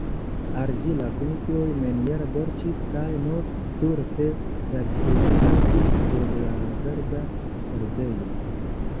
Al ĝi, la kunikloj neniel dolĉis, kaj nur stulte saltetadis sur la verda herbejo.